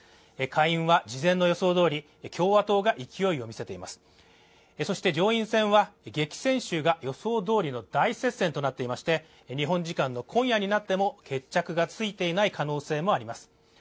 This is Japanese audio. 会員は事前の予想どおり共和党が勢いを見せていますそして上院選は激戦州が予想どおりの大接戦となっていまして日本時間の今夜になっても決着がついていない可能性もあります